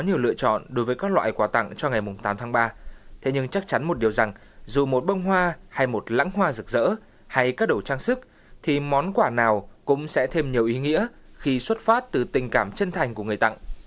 nhiều lựa chọn đối với các loại quà tặng cho ngày tám tháng ba thế nhưng chắc chắn một điều rằng dù một bông hoa hay một lãng hoa rực rỡ hay các đồ trang sức thì món quà nào cũng sẽ thêm nhiều ý nghĩa khi xuất phát từ tình cảm chân thành của người tặng